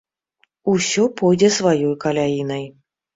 Усё пойдзе сваёй каляінай.